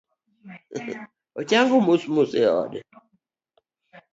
Ochango mos mos e ode